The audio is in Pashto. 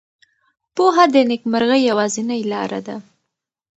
پوهه د نېکمرغۍ یوازینۍ لاره ده.